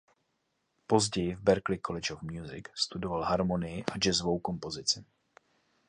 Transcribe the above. Později v Berklee College of Music studoval harmonii a jazzovou kompozici.